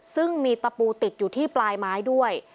ซึ่งมีตะปูติดอยู่ที่ปลายไม้ด้วย